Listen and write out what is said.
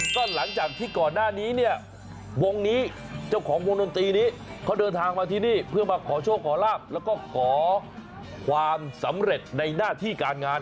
ก็หลังจากที่ก่อนหน้านี้เนี่ยวงนี้เจ้าของวงดนตรีนี้เขาเดินทางมาที่นี่เพื่อมาขอโชคขอลาบแล้วก็ขอความสำเร็จในหน้าที่การงาน